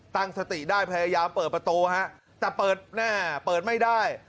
ตั้งสติได้พยายามเปิดประตูฮะแต่เปิดแน่เปิดไม่ได้